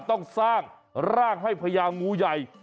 ต้องสร้างร่างให้พญางูใหญ่